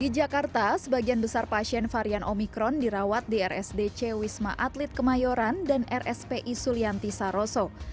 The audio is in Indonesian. di jakarta sebagian besar pasien varian omikron dirawat di rsdc wisma atlet kemayoran dan rspi sulianti saroso